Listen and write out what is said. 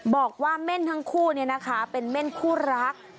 บอกว่าแม่นทั้งคู่เนี่ยนะคะเป็นแม่นคู่รัก